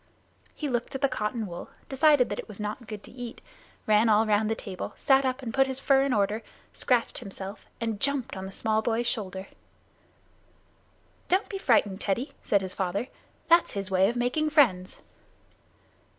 He looked at the cotton wool, decided that it was not good to eat, ran all round the table, sat up and put his fur in order, scratched himself, and jumped on the small boy's shoulder. "Don't be frightened, Teddy," said his father. "That's his way of making friends."